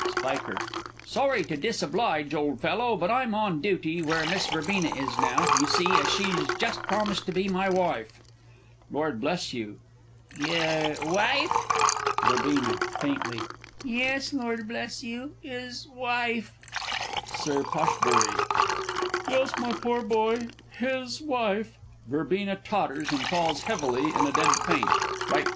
Sp. Sorry to disoblige, old fellow, but I'm on duty where Miss Verbena is now, you see, as she's just promised to be my wife. Lord B. Your wife! Verb. (faintly). Yes, Lord Bleshugh, his wife! Sir P. Yes, my poor boy, his wife! [VERBENA totters, and falls heavily in a dead faint, R.C.